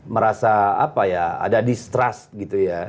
merasa apa ya ada distrust gitu ya